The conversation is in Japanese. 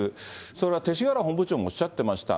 それから勅使河原本部長もおっしゃってました。